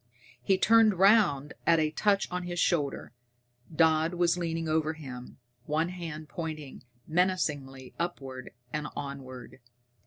He turned round at a touch on his shoulder. Dodd was leaning over him, one hand pointing menacingly upward and onward.